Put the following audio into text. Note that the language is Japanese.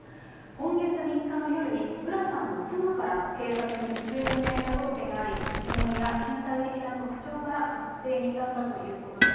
今月３日の夜に、浦さんの妻から警察に行方不明者届があり、指紋や身体的な特徴から、特定に至ったということです。